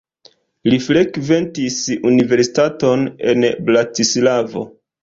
Li frekventis universitaton en Bratislavo.